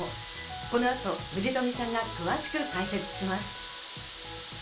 この後、藤富さんが詳しく解説します。